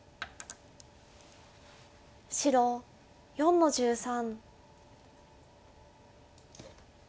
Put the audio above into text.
白４の十三。